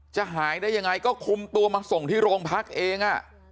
หายได้ยังไงก็คุมตัวมาส่งที่โรงพักเอง